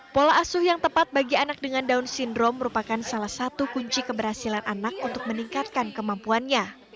pola asuh yang tepat bagi anak dengan down syndrome merupakan salah satu kunci keberhasilan anak untuk meningkatkan kemampuannya